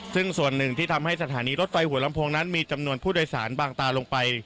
ซึ่งส่วนหนึ่งที่ทำให้สถานีรถไฟหัวลำโพงนั้นมีจำนวนผู้โดยสารบางตาลงไป